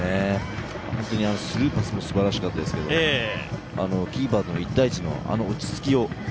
本当にスルーパスもすばらしかったですけどキーパーとの１対１の落ち着きを。